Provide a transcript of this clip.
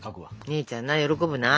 姉ちゃんな喜ぶな。